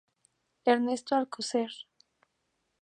Ernesto Alcocer.